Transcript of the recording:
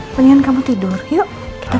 terima kasih banyak ma